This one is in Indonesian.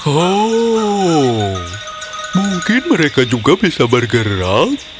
oh mungkin mereka juga bisa bergerak